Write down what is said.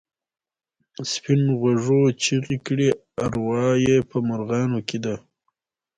سپین غوږو چیغې کړې اروا یې په مرغانو کې ده.